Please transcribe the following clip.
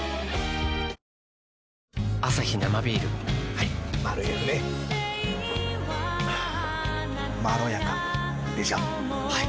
はいマルエフねまろやかでしょはい！